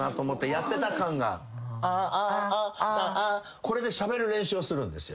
これでしゃべる練習をするんですよ。